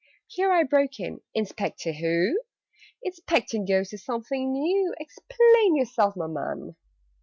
Here I broke in "Inspector who? Inspecting Ghosts is something new! Explain yourself my man!"